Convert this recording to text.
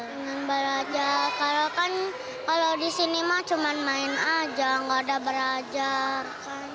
pengen belajar kalau kan kalau di sini mah cuma main aja nggak ada belajar